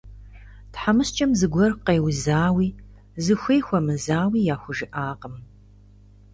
Тхьэмыщкӏэм зыгуэр къеузауи, зыхуей хуэмызауи яхужыӀакъым.